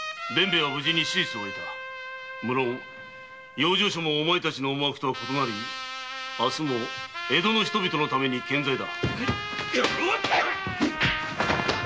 養生所もお前たちの思惑とは異なり明日も江戸の人々のために健在だ。